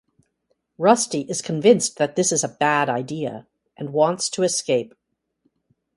Rusty is convinced that this is a bad idea, and wants to escape.